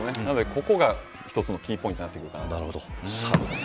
ここが一つのキーポイントになってくると思います。